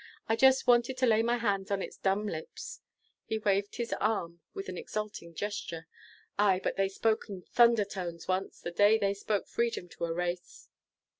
I just wanted to lay my hands on its dumb lips." He waved his arm with an exulting gesture. "Aye, but they spoke in thunder tones once, the day they spoke freedom to a race."